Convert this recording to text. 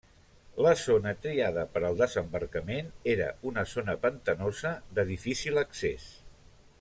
La zona triada per al desembarcament era una zona pantanosa de difícil accés.